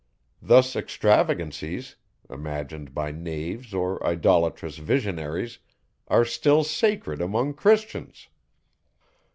Thus extravagancies, imagined by knaves or idolatrous visionaries, are still sacred among Christians!